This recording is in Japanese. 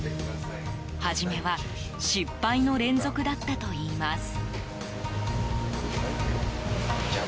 初めは失敗の連続だったといいます。